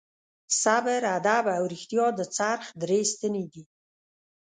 صبر، ادب او رښتیا د خرڅ درې ستنې دي.